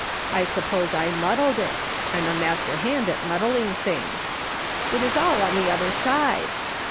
I suppose I muddled it ; I'm a master liand at mud dling things. It is all on the other side.